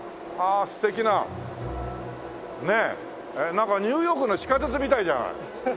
なんかニューヨークの地下鉄みたいじゃない。